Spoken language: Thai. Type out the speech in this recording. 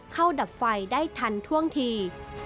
ดับไฟได้ทันท่วงที